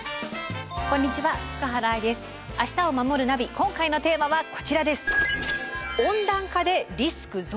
今回のテーマはこちらです。